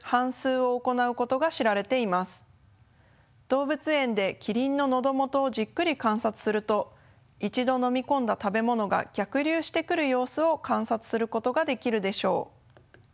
動物園でキリンの喉元をじっくり観察すると一度飲み込んだ食べ物が逆流してくる様子を観察することができるでしょう。